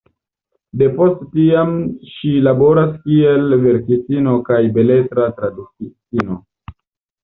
Depost tiam ŝi laboras kiel verkistino kaj beletra tradukistino.